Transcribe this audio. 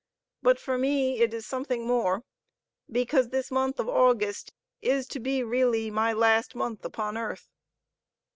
But for me it is something more, because this month of August is to be really my last month 'upon earth."